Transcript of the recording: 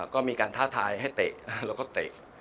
ก็มีการท้าทายให้เตะแล้วก็เตะ